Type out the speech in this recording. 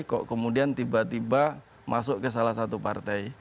kok kemudian tiba tiba masuk ke salah satu partai